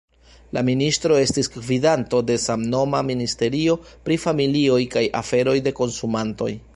La ministro estis gvidanto de samnoma ministerio pri familioj kaj aferoj de konsumantoj.